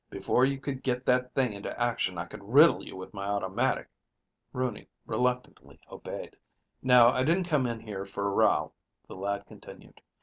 "Before you could get that thing into action I could riddle you with my automatic." Rooney reluctantly obeyed. "Now, I didn't come in here for a row," the lad continued.